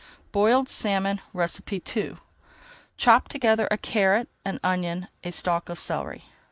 BOILED SALMON II Chop together a carrot, an onion and a stalk of celery.